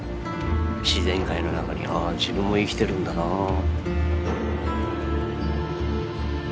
自然界の中にああ自分も生きてるんだなあって。